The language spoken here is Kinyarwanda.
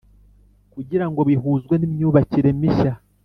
Kugirango bihuzwe n’imyubakire mishya